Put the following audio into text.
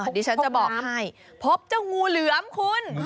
ดิฉันจะบอกให้พบเจ้างูเหลือมคุณ